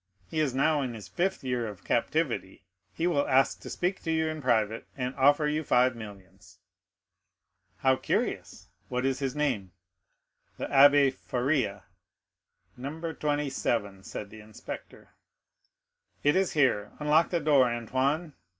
He is now in his fifth year of captivity; he will ask to speak to you in private, and offer you five millions." "How curious!—what is his name?" "The Abbé Faria." "No. 27," said the inspector. "It is here; unlock the door, Antoine."